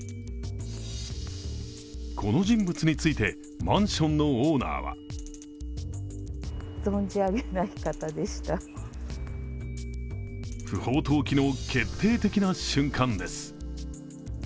この人物について、マンションのオーナーは不法投棄の決定的な瞬間です。